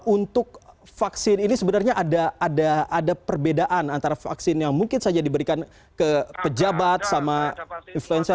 untuk vaksin ini sebenarnya ada perbedaan antara vaksin yang mungkin saja diberikan ke pejabat sama influencer